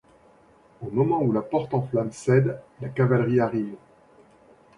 Au moment où la porte en flammes cède la cavalerie arrive.